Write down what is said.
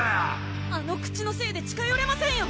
あの口のせいで近よれませんよ！